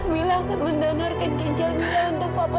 mila akan mendonorkan ginjal mila untuk papa